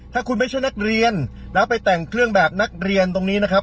ถ้าคุณไม่ใช่นักเรียนแล้วไปแต่งเครื่องแบบนักเรียนตรงนี้นะครับ